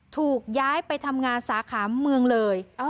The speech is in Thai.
ถูกย้ายไปทำงานสาขาเมืองเลย